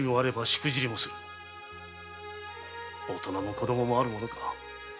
大人も子供もあるものか。